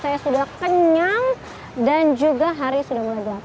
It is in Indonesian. saya sudah kenyang dan juga hari sudah mulai gelap